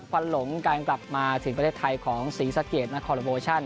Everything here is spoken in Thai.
ฟันหลงกลายกลับมาถึงประเทศไทยของศรีสะเกียจนักคอลโลโปรชั่น